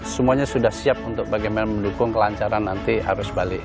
semuanya sudah siap untuk bagaimana mendukung kelancaran nanti arus balik